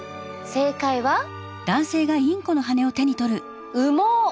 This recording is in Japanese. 正解は羽毛。